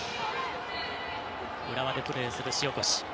浦和でプレーする塩越。